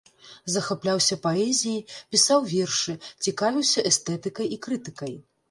Захапляўся паэзіяй, пісаў вершы, цікавіўся эстэтыкай і крытыкай.